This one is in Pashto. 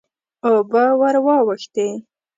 اوبه ور واوښتې.